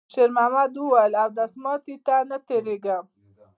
شېرمحمد وویل: «اودس ماتی ته تېرېږم.»